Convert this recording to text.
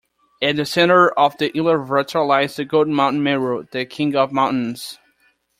At the center of Ila-vrta lies the golden Mount Meru, the king of mountains.